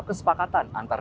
kepala kepala kepala